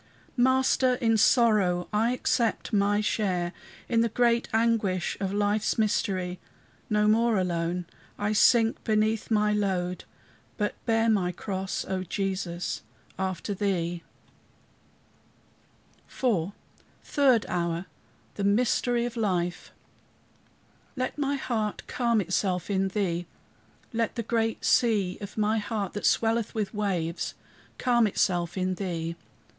Master in sorrow! I accept my share In the great anguish of life's mystery. No more, alone, I sink beneath my load, But bear my cross, O Jesus, after thee. IV THIRD HOUR THE MYSTERY OF LIFE "Let my heart calm itself in thee. Let the great sea of my heart, that swelleth with waves, calm itself in thee." ST.